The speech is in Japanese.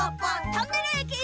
トンネルえき！